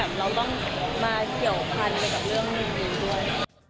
ทำให้เราต้องมาเกี่ยวพันธุ์เลยกับเรื่องนี้ด้วย